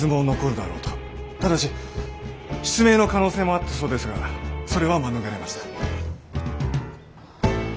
ただし失明の可能性もあったそうですがそれは免れました。